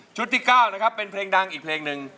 ที่๙นะครับเป็นเพลงดังอีกเพลงหนึ่ง